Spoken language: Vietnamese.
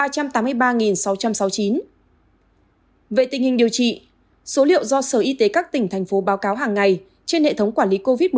về tình hình điều trị số liệu do sở y tế các tỉnh thành phố báo cáo hàng ngày trên hệ thống quản lý covid một mươi chín